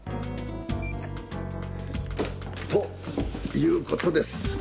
あっ。ということです。